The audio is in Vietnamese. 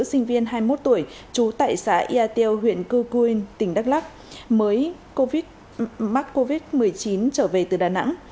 sinh viên hai mươi một tuổi chú tại xã yateo huyện cư cuyên tỉnh đắk lắc mới mắc covid một mươi chín trở về từ đà nẵng